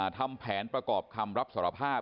ทำแผนประกอบคำรับสารภาพ